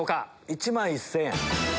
１万１０００円。